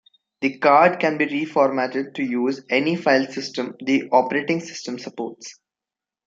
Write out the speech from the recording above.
The card can be reformatted to use any file system the operating system supports.